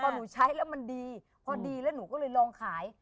พอหนูใช้แล้วมันดีพอดีแล้วหนูก็เลยลองขาย